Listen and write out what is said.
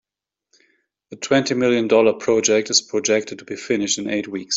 The twenty million dollar project is projected to be finished in eight weeks.